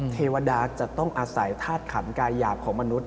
เทวดาจะต้องอาศัยธาตุขันกายหยาบของมนุษย